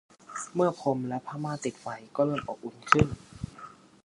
เมื่อพรมและผ้าม่านติดไฟก็เริ่มอบอุ่นขึ้น